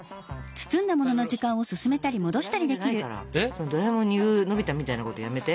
そのドラえもんに言うのび太みたいなことやめて。